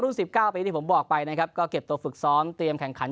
๑๙ปีที่ผมบอกไปนะครับก็เก็บตัวฝึกซ้อมเตรียมแข่งขัน